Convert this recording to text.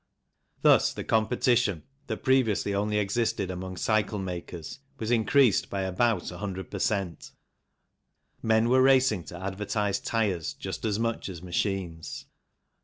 Thus, the competition that previously only existed among cycle makers was increased by about 100 per cent. Men were racing to advertise tyres just as much as machines.